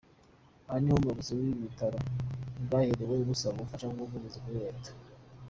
Aho niho ubuyobozi bw’ibi bitaro bwahereye busaba ubufasha n’ubuvugizi kuri Leta.